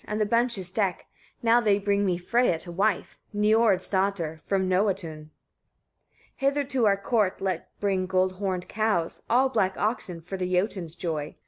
and the benches deck, now they bring me Freyia to wife, Niord's daughter, from Noatun. 24. "Hither to our court let bring gold horned cows, all black oxen, for the Jotuns' joy.